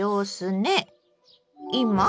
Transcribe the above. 今？